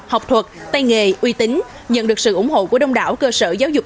học thuật tay nghề uy tín nhận được sự ủng hộ của đông đảo cơ sở giáo dục